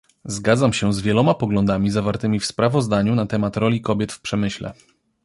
Zgadzam się z wieloma poglądami zawartymi w sprawozdaniu na temat roli kobiet w przemyśle